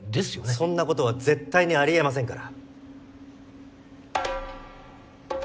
そんなことは絶対にありえませんから。